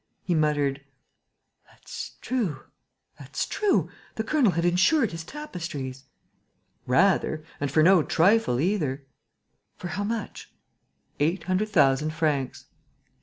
He muttered: "That's true!... That's true!... The colonel had insured his tapestries...." "Rather! And for no trifle either." "For how much?" "Eight hundred thousand francs."